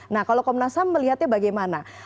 nah kalau komnas ham melihatnya bagaimana